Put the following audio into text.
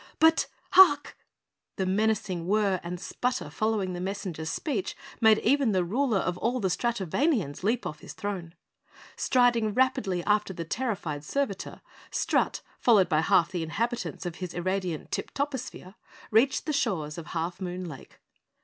But HARK!!" The menacing whirr and sputter following the messenger's speech made even the Ruler of all the Stratovanians leap off his throne. Striding rapidly after the terrified servitor, Strut, followed by half the inhabitants of his irradiant Tip toposphere, reached the shores of Half Moon Lake.